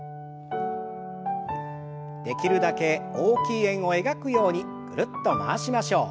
できるだけ大きい円を描くようにぐるっと回しましょう。